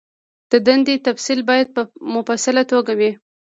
د دندې تفصیل باید په مفصله توګه وي.